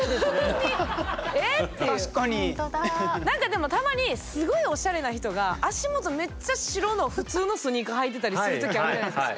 何かでもたまにすごいおしゃれな人が足元めっちゃ白の普通のスニーカー履いてたりするときあるやないですか。